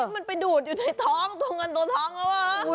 มันไปดูดอยู่ในท้องตัวเงินตัวทองแล้ว